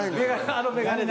あの眼鏡で。